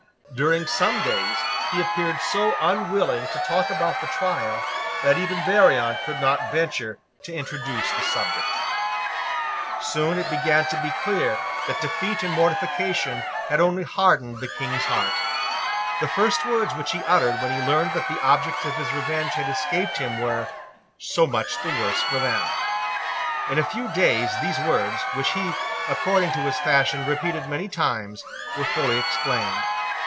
During some days he appeared so unwilling to talk about the trial that even Barillon could not venture to introduce the subject. Soon it began to be clear that defeat and mortification had only hardened the King's heart. The first words which he uttered when he learned that the objects of his revenge had escaped him were, "So much the worse for them." In a few days these words, which he, according to his fashion, repeated many times, were fully explained.